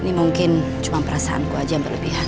ah ah ini mungkin cuma perasaanku aja yang berlebihan